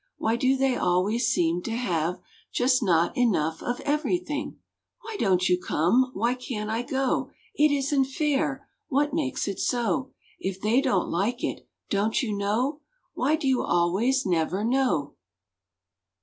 Why do they always seem to have Just Not Enough of everything? Why don't you come? Why can't I go? It isn't Fair! What makes it so? If they don't like it? Don't you know? Why do you always never know?